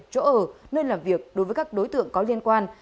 chỗ ở nơi làm việc đối với các đối tượng có liên quan